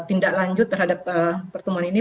tindak lanjut terhadap pertemuan ini